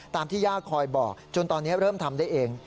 ที่ย่าคอยบอกจนตอนนี้เริ่มทำได้เอง